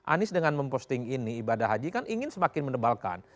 anies dengan memposting ini ibadah haji kan ingin semakin mendebalkan